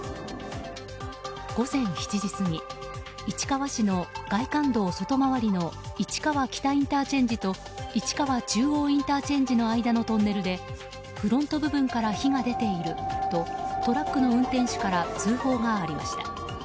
午前７時過ぎ市川市の外環道外回りの市川北ＩＣと市川中央ＩＣの間のトンネルでフロント部分から火が出ているとトラックの運転手から通報がありました。